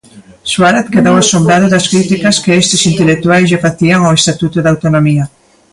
Suárez quedou asombrado das críticas que estes intelectuais lle facían ao Estatuto de Autonomía.